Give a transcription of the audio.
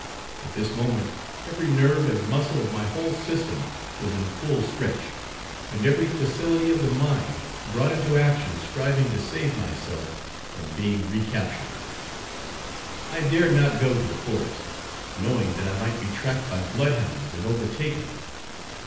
At this moment every nerve and muscle of my whole system was in full stretch; and every facility of the mind brought into action striving to save myself from being re captured. I dared not go to the forest, knowing that I might be tracked by blood hounds, and overtaken.